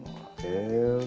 へえ。